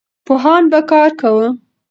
پوهان به کار کاوه.